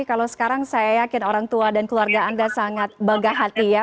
kalau sekarang saya yakin orang tua dan keluarga anda sangat bangga hati ya